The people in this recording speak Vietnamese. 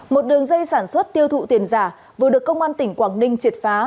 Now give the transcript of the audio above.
một đường dây sản xuất tiêu thụ tiền giả vừa được công an tỉnh quảng ninh triệt phá